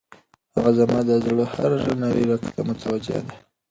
هغه زما د زړه هر نري رګ ته متوجه ده.